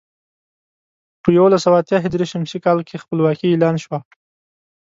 په یولس سوه اتيا ه ش کال کې خپلواکي اعلان شوه.